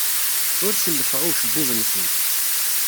Ur sellfeɣ i ucebbub-nsen.